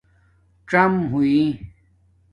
ڎام ہوئ